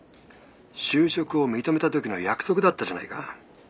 就職を認めた時の約束だったじゃないか。